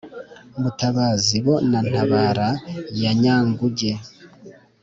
mutabazi bo na ntabara ya nyanguge!